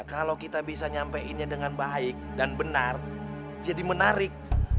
kalau kita bisa nyampeinnya dengan baik dan benar jadi menarik